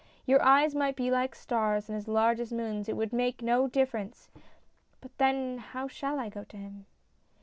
Your eyes might be like stars and as large as moons, it would make no difference "" But how then shall I go to him